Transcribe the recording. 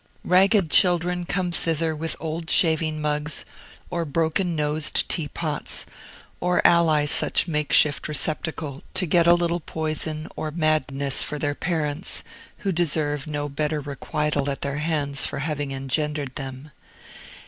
Ragged children come thither with old shaving mugs, or broken nosed teapots, or ally such makeshift receptacle, to get a little poison or madness for their parents, who deserve no better requital at their hands for having engendered them.